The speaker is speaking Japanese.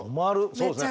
そうですね。